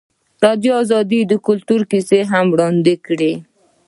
ازادي راډیو د کلتور کیسې وړاندې کړي.